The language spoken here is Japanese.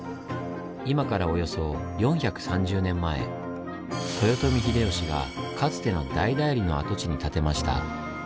今からおよそ４３０年前豊臣秀吉がかつての大内裏の跡地に建てました。